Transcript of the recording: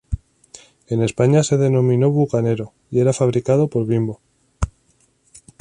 En España se denominó "Bucanero" y era fabricado por Bimbo.